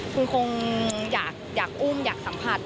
คุณคงอยากอุ้มอยากสัมผัส